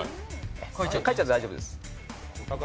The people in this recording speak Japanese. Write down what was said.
書いちゃって大丈夫です。